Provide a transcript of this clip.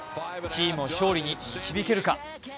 チームを勝利に導けるか。